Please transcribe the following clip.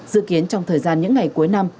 dự kiến trong thời gian những ngày cuối năm